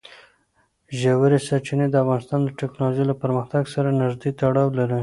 ژورې سرچینې د افغانستان د تکنالوژۍ له پرمختګ سره نږدې تړاو لري.